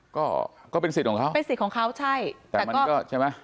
ก็ก็เป็นสิทธิ์ของเขาเป็นสิทธิ์ของเขาใช่แต่มันก็ใช่ไหม